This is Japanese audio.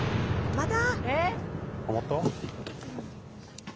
また？